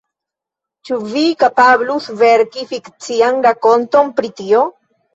Ĉu vi kapablus verki fikcian rakonton pri tio?